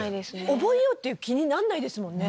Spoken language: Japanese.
覚えようっていう気になんないですもんね。